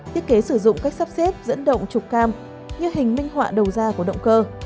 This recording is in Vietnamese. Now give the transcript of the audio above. thiết kế sử dụng cách sắp xếp dẫn động trục cam như hình minh họa đầu ra của động cơ